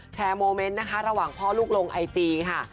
โมเมนต์นะคะระหว่างพ่อลูกลงไอจีค่ะ